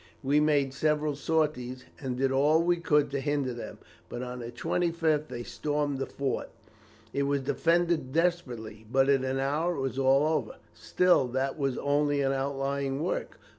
We made several sorties, and did all we could to hinder them, but on the 25th they stormed the fort. It was defended desperately, but in an hour it was all over. Still, that was only an outlying work.